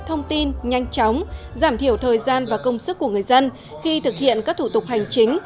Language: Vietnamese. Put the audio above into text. thông tin nhanh chóng giảm thiểu thời gian và công sức của người dân khi thực hiện các thủ tục hành chính